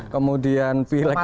kemudian pileg ini